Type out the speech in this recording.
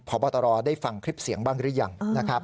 พบตรได้ฟังคลิปเสียงบ้างหรือยังนะครับ